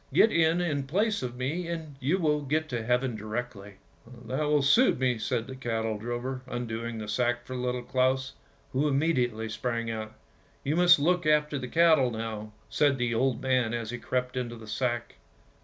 " Get in in place of me, and you will get to heaven directly !''''' That will just suit me," said the cattle drover, undoing the sack for Little Claus, who immediately sprang out. " You must look after the cattle now," said the old man as he crept into the sack.